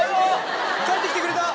帰ってきてくれた！